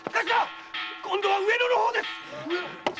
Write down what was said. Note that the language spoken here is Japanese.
今度は上野の方です！